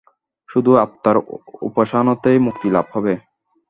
শুধু আত্মার উপাসনাতেই মুক্তিলাভ হবে।